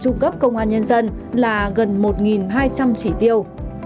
trung cấp công an nhân dân là gần một hai trăm linh chỉ tiêu